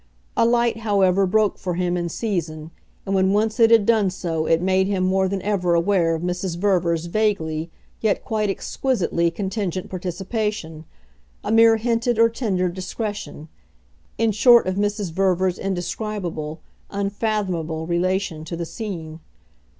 A light, however, broke for him in season, and when once it had done so it made him more than ever aware of Mrs. Verver's vaguely, yet quite exquisitely, contingent participation a mere hinted or tendered discretion; in short of Mrs. Verver's indescribable, unfathomable relation to the scene.